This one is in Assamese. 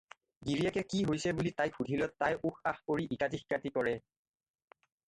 গিৰীয়েকে কি হৈছে বুলি তাইক সুধিলত তাই উস্-আস্ কৰি ইকাতি-সিকাতি কৰে।